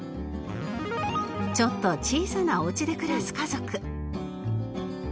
ちょっと小さなおうちで暮らす家族